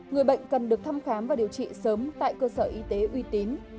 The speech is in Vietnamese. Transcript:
người bệnh cần được thăm khám và điều trị sớm tại cơ sở y tế uy tín